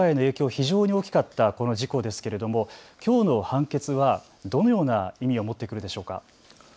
非常に大きかった事故ですが、きょうの判決はどのような意味を持ってくるでしょうか。